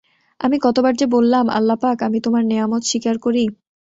আমি কত বার যে বললাম, আল্লাহপাক, আমি তোমার নেয়ামত স্বীকার করি।